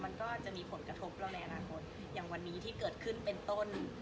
มันก็จะมีผลกระทบเราในอนาคตอย่างวันนี้ที่เกิดขึ้นเป็นต้น